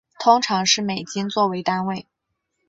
通常是美金做为单位。